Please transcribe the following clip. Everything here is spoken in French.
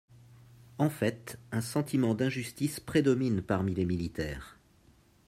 En fait, un sentiment d’injustice prédomine parmi les militaires.